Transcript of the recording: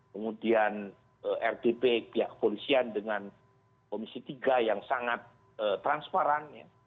kemudian rdp pihak kepolisian dengan komisi tiga yang sangat transparan